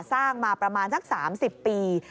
สร้างมาประมาณทั้งสามสิบปี